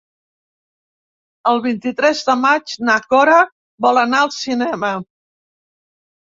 El vint-i-tres de maig na Cora vol anar al cinema.